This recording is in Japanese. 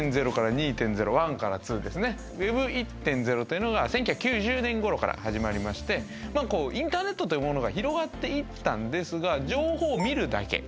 Ｗｅｂ１．０というのが１９９０年ごろから始まりましてこうインターネットというものが広がっていったんですが情報を見るだけ。